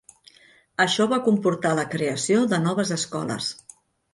Això va comportar la creació de noves escoles.